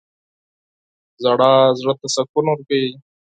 • ژړا زړه ته سکون ورکوي.